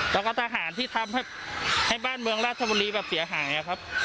แล้วก็ทหารที่ทำให้บ้านเมืองราชบุรีแบบเสียหายครับ